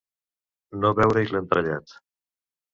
No veure-hi l'entrellat.